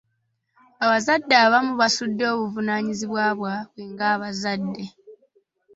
Abazadde abamu basuddewo obuvunaanyizibwa bwabwe nga bazadde.